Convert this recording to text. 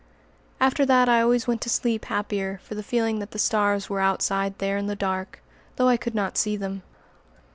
After that I always went to sleep happier for the feeling that the stars were outside there in the dark, though I could not see them.